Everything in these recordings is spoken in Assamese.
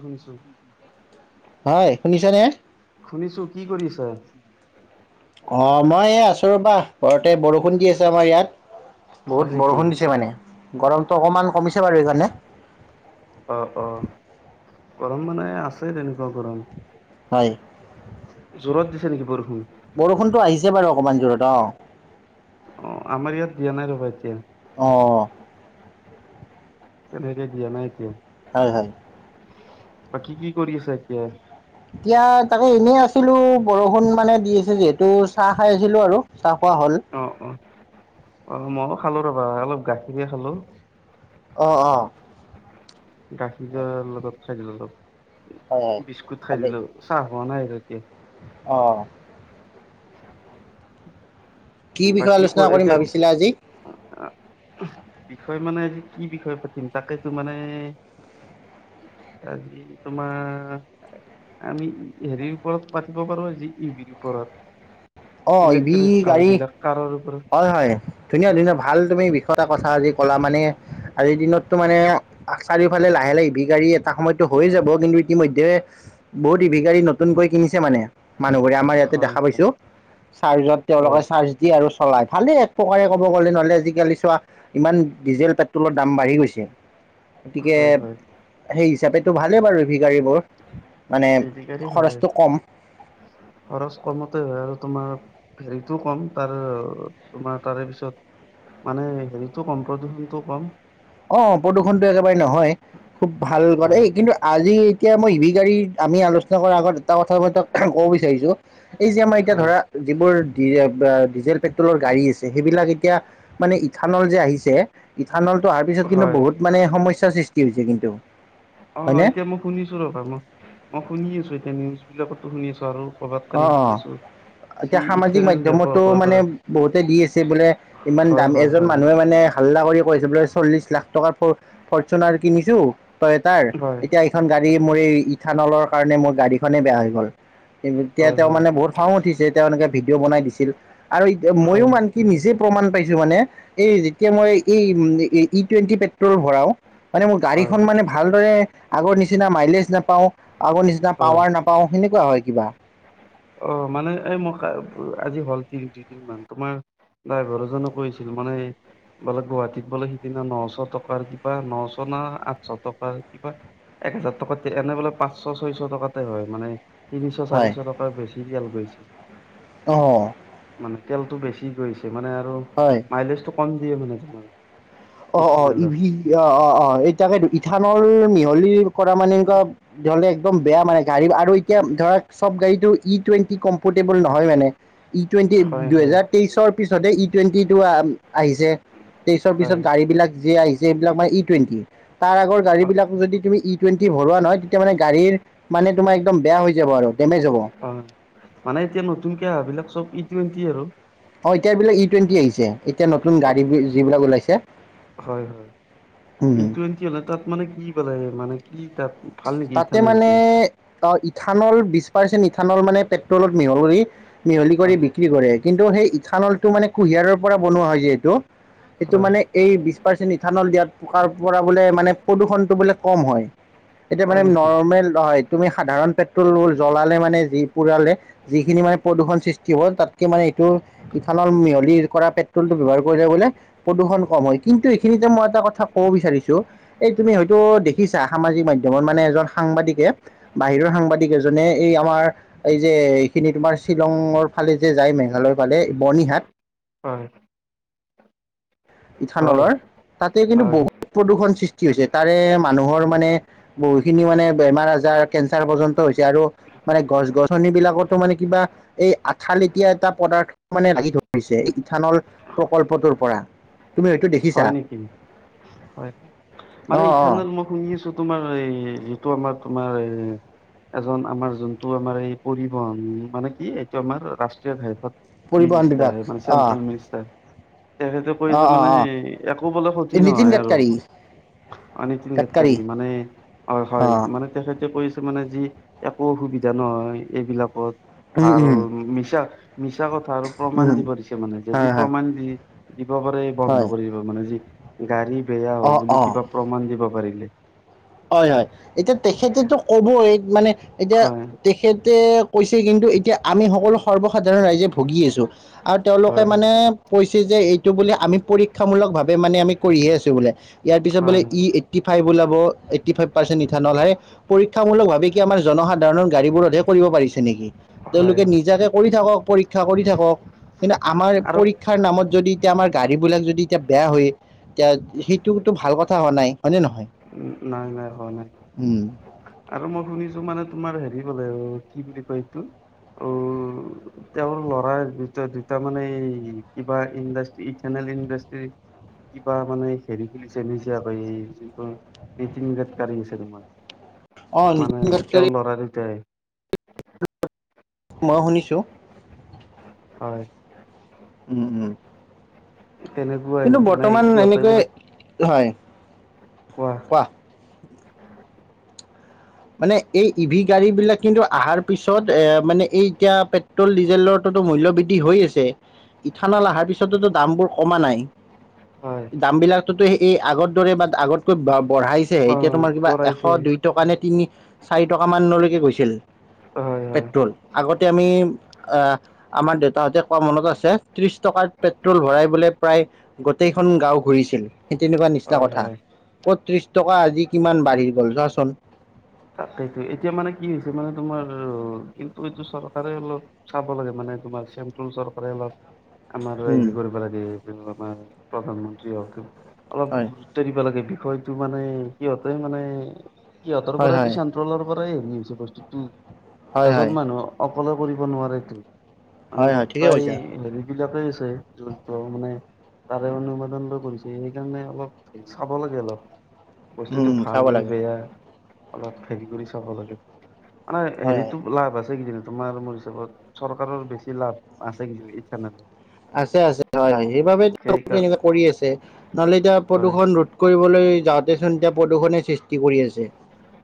শুনিছো হয়, শুনিছাঁ‌ নে? শুনিছোঁ‌, কি কৰি আছা? অ', মই এই আছো ৰ'বা ঘৰতে বৰষুণ দি আছে আমাৰ ইয়াত। হয় বহুত নেকি বৰষুণ দিছে মানে, গৰমটো অকমান কমিছে বাৰু এইকাৰণে। অ', অ', গৰম মানে আছে তেনেকুৱা গৰম। হয়। জোৰত দিছে নেকি বৰষুণ? বৰষুণতো আহিছে বাৰু অকণমান জোৰত অ'। অ', আমাৰ ইয়াত দিয়া নাই ৰ'বা এতিয়া। অ'। তেনেকে দিয়া নাই এতিয়া। হয়, হয়। বাকী কি কৰি আছা এতিয়া? এতিয়া তাকে এনেই আছিলো, বৰষুণ মানে দি আছে যিহেতু চাহ খাই আছিলো আৰু, চাহ খোৱা হ'ল। অ'-অ'। অ', মইয়ো খালো ৰ'বা, অলপ গাখীৰে খালো। অ'-অ'। গাখীৰৰ লগত খাই দিলো অলপ, হয় হয় বিস্কুট খাই দিলো চাহ হোৱা নাই আৰু এতিয়া। অ'। কি বিষয়ে বাকী ক আলোচনা কৰিম এতিয়া ভাবিছিলা আজি? বিষয় মানে আজি কি বিষয়ে পাতিম তাকেতো মানে আজি তোমাৰ আমি হেৰিৰ ওপৰত পাতিব পাৰো আজি, ই ভিৰ ওপৰত। অ', ইভি ইলেক্ট্ৰিক কাৰ গাড়ী, বিলাক কাৰৰ ওপৰত হয়, হয়। ধুনীয়া-ধুনীয়া ভাল তুমি বিষয় এটা কথা আজি ক'লা মানে আজিৰ দিনতটো মানে চাৰিওফালে লাহে লাহে ই ভি গাড়ী এটা সময়তটো হৈয়ে যাব কিন্তু ইতিমধ্যে বহুত ইভি গাৰী নতুনকৈ কিনিছে মানে মানুহবোৰে, আমাৰ ইয়াতে হয় দেখা হয় পাইছো। চাৰ্জত হয়। তেওঁলোকে চাৰ্জ দিয়ে আৰু চলাই, ভালে এক প্ৰকাৰে ক'ব গ'লে নহ'লে আজিকালি চোৱা ইমান ডিজেল, পেট্ৰলৰ দাম বাঢ়ি গৈছে গতিকে হয় হয় সেই হিচাপেতো ভালেই বাৰু ইভি গাড়ী বোৰ। মানে ই ভি গাড়ী ভালে খৰচটো কম। খৰচ কমতে হয় আৰু তোমাৰ হেৰিতো কম, তাৰ তোমাৰ তাৰে পিছত মানে হেৰিটো কম, প্ৰদূষণটো কম। অ'-অ' প্ৰদূষণতো একেবাৰে নহয়, খুব ভাল কথা হয় এই কিন্তু আজি এতিয়া মই ইভি গাড়ী আমি আলোচনা কৰাৰ আগত এটা কথা মই তাক ক'ব বিচাৰিছোঁ‌। এই যে আমাৰ এতিয়া হয় ধৰা যিবোৰি ডিজেল, পেট্ৰলৰ গাড়ী আছে সেইবিলাক এতিয়া মানে ইথানল যে আহিছে, ইথানল অহাৰ পিছত কিন্তু হয় বহুত মানে সমস্যাৰ সৃষ্টি হৈছে কিন্তু। অ', হয়নে? এতিয়া মই শুনিছো ৰ'বা মই, মই শুনি আছো এতিয়া নিউজ বিলাকতো শুনি আছো আৰু কবাত অ', কানি অ'। শুই আছো। যি এতিয়া সামাজিক ইথেনেল ব্যৱহাৰ মাধ্যমতো কৰিব মানে পাৰে বহুতে দি আছে বোলে, ইমান হয় দাম হয় এজন হয় মানুহে মানে হাল্লা কৰি কৈছে বোলে চল্লিশ লাখ টকাৰ ফ-ফৰচুনাৰ কিনিছো, তয়েটাৰ, হয়। এতিয়া এখন গাড়ী হয় মোৰ এই ইথানলৰ কাৰণে মোৰ গাড়ীখনেই বেয়া হৈ গ'ল। এতিয়া হয় হয় তেওঁ মানে হয় বহুত খং উঠিছে তেওঁ এনেকে ভিডিঅ' বনাই দিছিল আৰু ময়ো হয় মানে কি নিজে প্ৰমাণ পাইছো মানে এই যেতিয়া মই এই উম, ই টুৱেণ্টি পেট্ৰল ভৰাও, মানে মোৰ হয়। গাড়ীখন মানে ভালদৰে আগৰ নিচিনা মাইলেজ নাপাওঁ, আগৰ নিচিনা হয় পাৱাৰ নাপাওঁ সেনেকুৱা হয় কিবা। অ, মানে এ মই আজি হল তি দুদিন মান তোমাৰ ড্ৰাইভাৰ এজনে কৈছিল মানে বোলে গুৱাহাটীত বোলে সিদিনা নশ টকাৰ কিবা নশ ন আঠশ টকাৰ কিবা এক হেজাৰ টকাত এনে বোলে পাঁচশ ছয়শ টকাতে হয় মানে, তিনিশ হয় চাৰিশ টকাৰ বেছি তেল গৈছে। অ', মানে তেলটো বেছি গৈছে মানে আৰু হয়। মাইলেজটো কম দিয়ে মানে তোমাৰ। অ', অ', ইথানেলত অ', অ', এতাকে ইথানল মিহলি কৰা মানে এনেকুৱা দেৱালী একদম বেয়া মানে গাড়ী আৰু এতিয়া ধৰা চব গাড়ীটো ই টুৱেণ্টি কমফৰ্টেবল নহয় মানে। ই টুৱেণ্টি হয় হয় দুহেজাৰ তেইশৰ পিছতে ই টুৱেণ্টি টো আহিছে। তেইশৰ পিছত, হয় গাড়ী বিলাক যে আহিছে সবিলাক মানে ই টুৱেণ্টি। তাৰ আগৰ গাড়ী বিলাক যদি তুমি ই টুৱেণ্টি ভৰোৱা নহয় তেতিয়া মানে গাড়ীৰ মানে তোমাৰ একদম বেয়া হৈ যাব আৰু ডেমেজ হব। হয় মানে এতিয়া নতুনকে আহাবিলাক চব ইটুৱেণ্টি আৰু। অ', এতিয়া এইবিলাক ই টুৱেণ্টি আহিছে, এতিয়া নতুন গাড়ী যিবিলাক ওলাইছে। হয়-হয় উম ই টুৱেণ্টি এটাত মানে কি পাই মানে কি তাত। ভাল নেকি তাতে ইথানেলটো মানে অ', ইথানল বিশ পাৰ্চেন্ট ইথানল মানে পেট্ৰলত মিহল কৰি মিহলি কৰি হয় বিক্ৰী কৰে কিন্তু সেই ইখা নলটো মানে কুঁহিয়াৰপৰা পৰা বনোৱা হয় যিহেতু। এটো হয় মানে এই বিশ পাৰ্চেণ্ট ইথানল দিয়াত পকাৰ পৰা বোলে মানে প্ৰদূষণটো বোলে কম হয়। এতিয়া মানে হয় নেকি নৰ্মেল হয়, তুমি সাধাৰণ পেট্ৰল জ্বলালে মানে যি পুৰালে যিখিনি মানে প্ৰদূৰণ সৃষ্টি হ'ল তাতকে মানে এইটো ইফালৰ মিহলি কৰা পেট্ৰলটো ব্যৱহাৰ কৰিলে বোলে প্ৰদূষণ কম হয়, কিন্তু এইখিনিতে মই এটা কথা কব বিচাৰিচো? এই তুমি হয়তো দেখিছা সামাজিক মাধ্যমত মানে এজন সাংবাদিকে বাহিৰৰ সাংবাদিক এজনে এই আমাৰ এই যে এইখিনি তোমাৰ শ্বিলঙৰ ফালে যে যায় মেঘালয়ৰ ফালে বৰ্নিহাট, হয়। হয় ইথানলৰ, তাতে কিন্তু হয় বহুত প্ৰদূৰণ সৃষ্টি হৈছে। তাৰে মানুহৰ মানে বহুতখিনি মানে বেমাৰ, আজাৰ কেঞ্চাৰ পৰ্যন্ত হৈছে আৰু মানে গছ, গছনি বিলাকতো মানে কিবা এই আঠালেতিয়া এটা পদাৰ্থ মানে লাগি ধৰিছে এই ইথানল প্ৰকল্পটোৰ পৰা। তুমি হৈটো দেখিছা। হয় নেকি হয় মানে অ অ ইথানল মই শুনি আছো তোমাৰ এই সেইটো আমাৰ তোমাৰ এজন আমাৰ যোনটো আমাৰ এই পৰিবন মানে, কি এইটো আমাৰ ৰাষ্ট্ৰীয় ঘাইপত। পৰিবহণ বিভাগ মিনিষ্টাৰ মানে অ চেন্ট্ৰেল মিনিষ্টাৰ। তেখেতে অ কৈছে অ মানে অ একো বোলে এই ক্ষতি নীতিন নহয় আৰু। গাডকাৰী অ', নতিন গাডকাৰী গডকাৰী মানে অ', হয় মানে তেখেত তেওঁ কৰিছে মানে যি একো অসুবিধা নহয় এইবিলাকত উম ভাল উম মিছা। মিছা কথা আৰু প্ৰমাণ উম দিব দিছে মানে যদি হয় হয় প্ৰমাণ দি দিব পাৰে বন্ধ হয় কৰী মানে যি, গাড়ী বেয়া হ'ব অ বুলি অ কিবা প্ৰমাণ দিব পাৰিলে। হয়, হয়, এতিয়া তেখেতেতো কব এই মানে এতিয়া হয় তেখেতে। কৈছে কিন্তু, এতিয়া আমি সকলো সৰ্বসাধাৰণ ৰাইজে ভুগি আছোঁ আৰু তেওঁলোকে হয় হয় মানে কৈছে যে এইটো বোলে আমি পৰীক্ষামূলক ভাৱে মানে আমি কৰিহে আছোঁ বোলে। ইয়াৰ পিছত বোলে হয় ই এইটি, ফাইভ ওলাব এইটি ফাইভ শতাংশ ইথানল হে। পৰীক্ষামূলক ভাৱে কি আমাৰ জনসাধাৰণৰ গাড়ীবোৰতহে কৰিব পাৰিছে নেকি। হয় হয় তেওঁলোকে হয় নিজৰে কৰি থাকক পৰীক্ষা কৰি থাকক। কিন্তু, আমাৰ আৰু পৰীক্ষাৰ নামত যদি এতিয়া আমাৰ গাড়ী বোলে যদি এতিয়া বেয়া হয়। এতিয়া সেইটোতো ভাল কথা হোৱা নাই হয়নে, নহয়। নাই, নাই হোৱা নাই। উম'। আৰু মই কিছু মানে তোমাৰ হেৰি বলে, কি বুলি কয় এইটো। অ', তেওঁৰ ল'ৰাৰ ভিতৰত দুটা মানে এ কিবা ইণ্ডা ইথানল ইণ্ডাষ্ট্ৰী। কিবা মানে হেৰি খোলিছে নিজাব এই যোন গ কাঢ়িছে তোমাৰ। অ মানে নীতিন তেওঁৰ গাডকাৰী লৰা কেইটাই মই শুনিছোঁ। হয় উম উম তেনেকুৱাই কিন্তু মানে বৰ্তমান সিহঁতে এনেকৈ বোলে হয় কোৱা। মানে এই ই ভি গাড়ী বিলাক কিন্তু আহাৰ পিছত এ মানে এই এতিয়া পেট পেট্ৰল ডিজেলৰটো টো মূল্য বৃদ্ধি হৈ আছে। ইথানল অহাৰ পিছততো দামবোৰ কমা নাই। হয় দাম বিলাকটো টো এই আগৰ দৰে বা আগতকৈ ব বঢ়াইছেহে। অ এতিয়া তোমাৰ কিবা এশ কৰাইছে দুই টকা নে তিনি চাৰি টকা মানলৈকে গৈছিল। হয় হয় পেট্ৰল আগতে আমি আহ আমাৰ দেউতাহঁতে কোৱা মনত আছে ত্ৰিশ টকাৰ পেট্ৰল ভৰাই বোলে প্ৰায় গোটেইখন গাওঁ ঘূৰিছিল সেই তেনেকুৱা নিচিনা হয় কথা। হয় ক'ত ত্ৰিশ টকা আজি কিমান বাঢ়ি গ'ল চোৱাচোন। তাকেটো এতিয়া মানে কি হৈছে মানে তোমাৰ কিন্তু এইটো চৰকাৰে অলপ চাব লাগে মানে তোমাৰ চেণ্ট্ৰেল চৰকাৰে অলপ আমাৰ উম হেৰি কৰিব লাগে এই আমাৰ প্ৰধানমন্ত্ৰী হওঁক হয় অলপ লাগে বিষয়টো মানে সিহঁতে মানে সিহঁতৰ হয় পৰাইটো হয় চেণ্ট্ৰেল ট্ৰলৰ পৰাই হেৰি হৈছে বস্তুটো হয় হয় এজন মানুহ অকলে কৰিব নোৱাৰেটো। মানে হয় হয় ঠিকে গোটেই কৈছা হেৰি বিলাকেই আছে জৰিত মানে তাৰে অনুবাদনটো কৰিছে সেইকাৰণে অলপ হে চাব লাগে অলপ। বস্তুটো উম ভাল চাব নে লাগে বেয়া অলপ হেৰি কৰি চাব লাগে। এনে হয় হয় হেৰিটো লাভ আছে কেইদিনমান তোমাৰ মোৰ হিচাপত চৰকাৰৰ বেছি লাভ আছে কিজানি ইথানলত আছে আছে হয় হয় সেইবাবে সেই তেওঁলোকে কাৰ এনেকুৱা কৰি আছে নহ'লে এতিয়া হয় প্ৰদূষণ ৰোধ কৰিবলৈ যাওঁতেচোন এতিয়া প্ৰদূষণে সৃষ্টি কৰি আছে।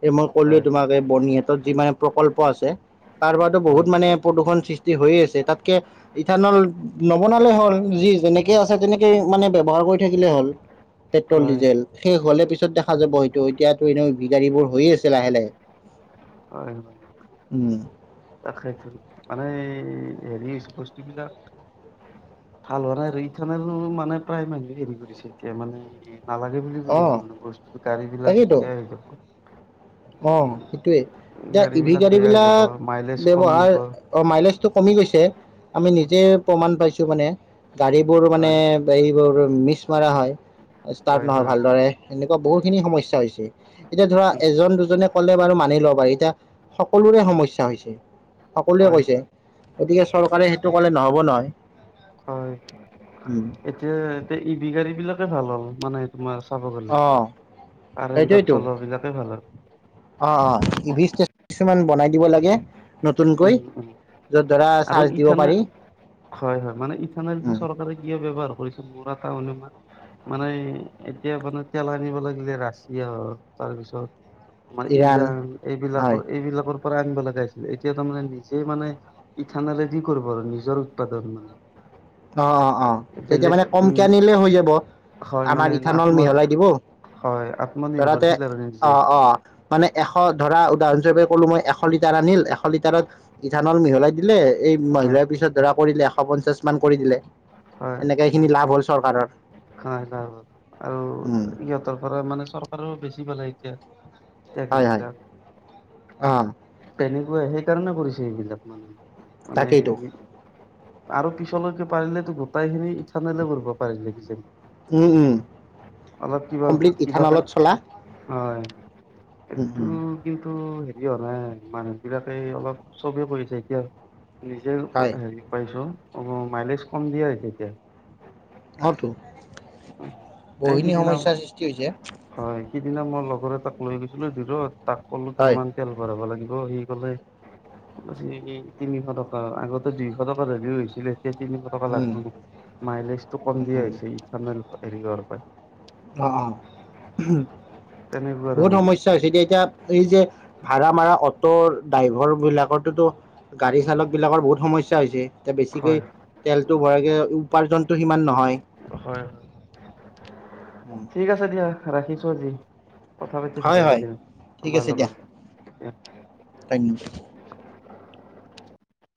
এই মই ক'লোয়েই হয় তোমাক এই বৰ্নিহাটত যিমান প্ৰকল্প আছে তাৰ পৰাটো হয় বহুত মানে প্ৰদূষণ সৃষ্টি সৃষ্টি হৈয়ে আছে তাতকে ইথানল নবনালে হ'ল যি যেনেকে আছে তেনেকে মানে ব্যৱহাৰ কৰি থাকিলে হ'ল। পেট্ৰল, হয়, ডিজেল শেষ হ'লে পিছত দেখা যাব। সেইটো এতিয়াতো এনে [unintelligible] বোৰ হৈয়ে আছে লাহে-লাহে। হয়। তাকেইটো, মানেই হেৰি হৈছে বস্তু বিলাক ভাল হোৱা নাই আৰু [unintelligible] মানে প্ৰায় মানুহে হেৰি কৰিছে এতিয়া মানে নালাগে বুলি অ কৈ আছোঁ, মানে বস্তুটো গাড়ী বিলাক বেয়া হৈ যাব। অ, উম, সেইটোৱে, এতিয়া ই ভি বিলাক গাড়ী বেয়া হৈ যাব বিলাক মাইলেজ ডেভ কমিব। [unintelligible] মাইলেজটো কমি গৈছে, আমি হয়, নিজেই প্ৰমাণ পাইছোঁ মানে। গাড়ীবোৰ মানে হয়, এইবোৰ মিচ মাৰা হয়। ষ্টাৰ্ট হয়, নহয় হয়, ভালদৰে, এনেকুৱা বহুখিনি সমস্যা হৈছে। এতিয়া ধৰা উম, এজন-দুজন জনে ক'লে বাৰু মানি ল'ব পাৰি। এতিয়া সকলোৰে সমস্যা হৈছে। সকলোৱে হয়, কৈছে, হয়, গতিকে চৰকাৰে সেইটো ক'লে নহ'ব নহয়। হয়। উম। এতিয়া এই ই ভি গাড়ীবিলাকে ভাল হ'ল, মানে তোমাৰ চাব গ'লে, অঁ কাৰেণ্টত চলোৱাবিলাকে ভাল আৰু। অ, অ, ই ভি ষ্টেচন কিছুমান বনাই দিব লাগে নতুনকৈ। উম, উম, য'ত ধৰা আৰু চাৰ্জ দিব পাৰি ইথানেল হয়, হয়, মানে ইথানেলটো উম চৰকাৰে কিয় ব্যৱহাৰ কৰিছে, মোৰ এটা অনুমান মানে এতিয়া মানে তেল আনিব লাগিলে ৰাছিয়া হওঁক, তাৰপিছত আমাৰ ইৰাণ হয় এইবিলাকৰ, এইবিলাকৰ পৰা আনিব লগা হৈছিলে। এতিয়া তাৰ মানে নিজেই মানে ইথানেলে দি কৰিব আৰু, নিজৰ উৎপাদন মানে। অ, অ, অ, তেতিয়া বেলেগ মানে উম কমকে আনিলে হৈ যাব, হয় আমাৰ মানে ইথানল আত্ম মিহলাই দিব। হয় ধৰাতে, আত্মনিৰ্ভৰশীল আৰু নিজে অ, অ। মানে এশ ধৰা, উদাহৰণস্বৰূপে ক'লো মই এশ লিটাৰ আনিল এশ লিটাৰত ইথানল মিহলাই দিলে এই হয় মিহলাই পিছত ধৰা কৰিলে এশ পঞ্চাশ মান কৰি দিলে, হয় এনেকে এইখিনি লাভ হ'ল চৰকাৰৰ। হয় বাৰু! আৰু উম ইহঁতৰ পৰা মানে চৰকাৰেও বেছি পালে এতিয়া। টেক্স হয়, হয়, বিলাক অ। তেনেকুৱাই, সেইকাৰণে কৰিছে এইবিলাক মানে, মানে তাকেইতো আৰু পিছলৈকে পাৰিলেতো গোটেই খিনি ইথানলে কৰিব পাৰিলে কিজানি! উম, উম। অলপ কিবা, কমপ্লিট কিবা ইথানলত চলা হয়, উম এইটো উম কিন্তু হেৰি হোৱা নাই, মানুহ বিলাকে অলপ চবেই কৈ আছে এতিয়া নিজে হয় হেৰি পাইছো, অ, মাইলেজ কম দিয়ে আৰু এতিয়া। অ তো, বহু এই খিনি সিদিনা সমস্যাৰ সৃষ্টি হৈছে। হয়, সিদিনা মই লগৰ এটাক লৈ গৈছিলো [unintelligible] তাক ক'লো হয় কিমান তেল ভৰাব লাগিব। সি ক'লে ই, তিনিশ টকা, আগতে দুইশ টকাৰ হ'লেও হৈছিলে, এতিয়া তিনিশ টকাৰ উম লাগিব। মাইলেজটো কম উম দিয়া উম হৈছে ইথানেল হেৰি হোৱাৰ পৰাই। অ, অ, তেনেকুৱা বহুত সম তাৰমানে স্যা হৈছে এতিয়া, এতিয়া এই যে ভাড়া মাৰা অটৰ ড্ৰাইভৰ বিলাকৰতো গাড়ী চালক বিলাকৰ বহুত সমস্যা হৈছে, এতিয়া হয় বেছিকৈ তেলটো ভৰাইগে উপাৰ্জনটো সিমান নহয়। হয়, হয়। উম। ঠিক আছে দিয়া ৰাখিছো আজি, কথা পাতি হয় ভালে হয় লাগিল ঠিক তোমাৰ লগত। Thank U.